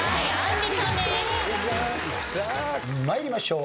さあ参りましょう。